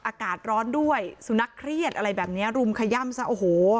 อากาศร้อนด้วยสุนัขเครียดอะไรแบบนี้รุมขย่ำซะโอ้โห